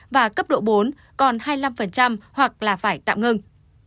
và cấp độ bốn còn hai mươi năm hoặc là phải tạm ngưng